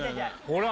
ほら！